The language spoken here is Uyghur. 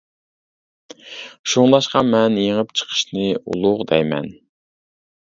شۇڭلاشقا مەن يېڭىپ چىقىشنى ئۇلۇغ دەيمەن.